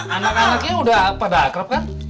anak anaknya udah pada akrab kan